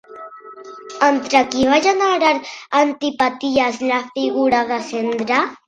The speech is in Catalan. Entre qui va generar antipaties la figura de Cerdà?